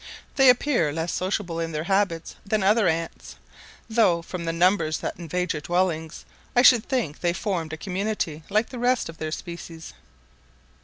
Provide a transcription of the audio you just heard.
They appear less sociable in their habits than other ants; though, from the numbers that invade your dwellings, I should think they formed a community like the rest of their species.